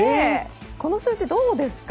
この数字どうですか？